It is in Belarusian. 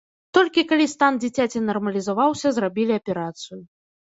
Толькі калі стан дзіцяці нармалізаваўся, зрабілі аперацыю.